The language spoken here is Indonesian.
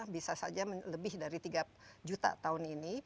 bisa saja lebih dari tiga juta tahun ini